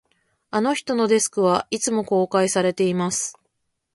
あの人のデスクは、いつも公開されています